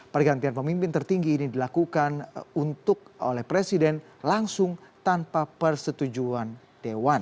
pergantian pemimpin tertinggi ini dilakukan untuk oleh presiden langsung tanpa persetujuan dewan